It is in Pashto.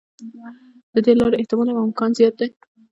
د دې لارې احتمال او امکان زیات دی.